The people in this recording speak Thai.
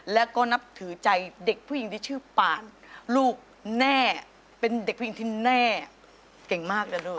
แล้วก็นับถือใจเด็กผู้หญิงที่ชื่อปานลูกแน่เป็นเด็กผู้หญิงที่แน่เก่งมากเลยลูก